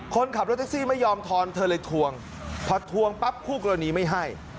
คนขับรถแท็กซี่ไม่ยอมทอนเธอเลยทวงพอทวงปั๊บคู่กรณีไม่ให้